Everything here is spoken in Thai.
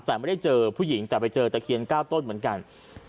แต่ไม่ได้เจอผู้หญิงแต่ไปเจอตะเคียน๙ต้นเหมือนกัน